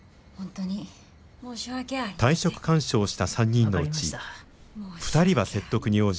退職勧奨をした３人のうち２人は説得に応じましたが。